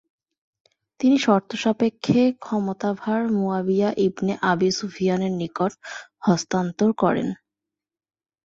তিনি শর্তসাপেক্ষে ক্ষমতাভার মুয়াবিয়া ইবনে আবী সুফিয়ানের নিকট হস্তান্তর করেন।